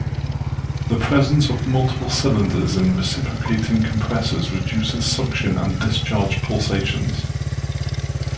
The presence of multiple cylinders in reciprocating compressors reduces suction and discharge pulsations.